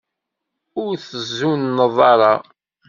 Ur tzunneḍ ara.